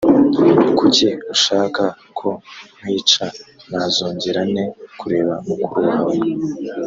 kuki ushaka ko nkwica nazongera nte kureba mukuru wawe